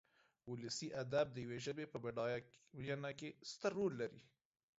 ولسي ادب د يوې ژبې په بډاينه کې ستر رول لري.